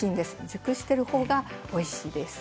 熟しているほうがおいしいです。